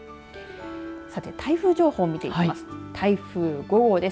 さて台風情報を見ていきます。